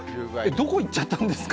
どこ行っちゃったんですか。